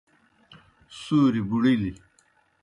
سُوریْ بُڑِلیْ۔